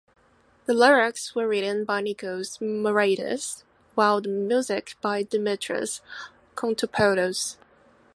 The lyrics were written by Nikos Moraitis while the music by Dimitris Kontopoulos.